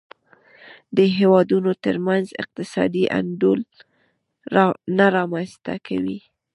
د هېوادونو ترمنځ اقتصادي انډول نه رامنځته کوي.